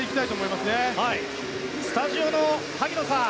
スタジオの萩野さん